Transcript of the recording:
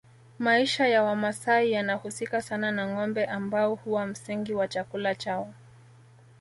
Maisha ya Wamasai yanahusika sana na ngombe ambao huwa msingi wa chakula chao